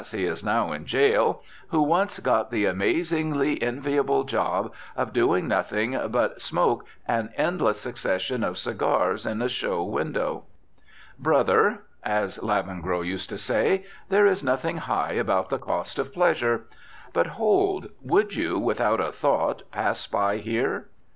he is now in jail) who once got the amazingly enviable job of doing nothing but smoke an endless succession of cigars in a show window. Brother (as Lavengro used to say), there is nothing high about the cost of pleasure. But hold! would you, without a thought, pass by here?